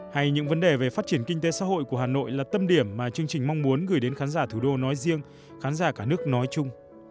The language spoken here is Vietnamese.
hay những vấn đề về phát triển kinh tế xã hội của hà nội là tâm điểm mà chương trình mong muốn gửi đến khán giả thủ đô nói riêng khán giả cả nước nói chung